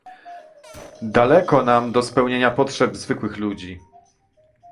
Daleko nam do spełnienia potrzeb zwykłych ludzi